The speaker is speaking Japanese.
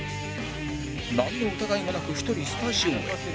なんの疑いもなく１人スタジオへ